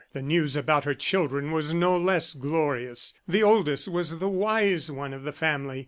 The news about her children was no less glorious. The oldest was the wise one of the family.